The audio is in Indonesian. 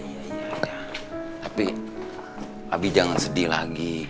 kembali sampai tangani ketiga tahun political